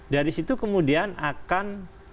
dari situ kemudian akan